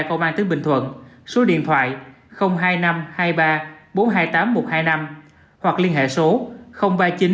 công an tướng bình thuận số điện thoại hai nghìn năm trăm hai mươi ba bốn trăm hai mươi tám nghìn một trăm hai mươi năm hoặc liên hệ số ba mươi chín bảy trăm ba mươi bảy sáu nghìn bốn trăm năm mươi năm